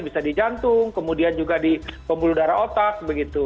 bisa di jantung kemudian juga di pembuluh darah otak begitu